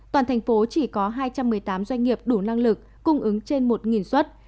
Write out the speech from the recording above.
toàn thành phố chỉ có hai trăm một mươi tám doanh nghiệp đủ năng lực cung ứng trên một xuất